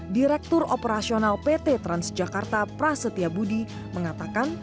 direktur operasional pt transjakarta prasetya budi mengatakan